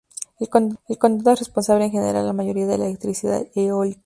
El condado es responsable en generar la mayoría de la electricidad eólica.